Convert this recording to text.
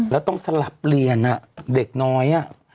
แล้วต้องสลับเรียนเด็กน้อย